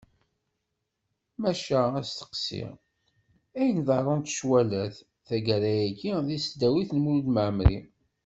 Maca asteqsi: Ayen ḍarrunt cwalat, taggara-agi, deg tesdawit n Mulud Mɛemmri?